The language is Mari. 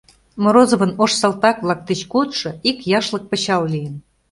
Морозовын ош салтак-влак деч кодшо ик яшлык пычал лийын.